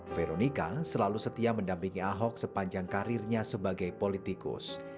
veronica selalu setia mendampingi ahok sepanjang karirnya sebagai politikus